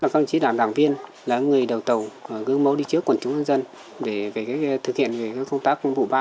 các đảng viên là người đầu tàu gương mẫu đi trước quần chúng dân dân để thực hiện công tác tăng vụ ba